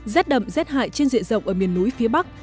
rét đậm rét hại trên diện rộng ở miền núi phía bắc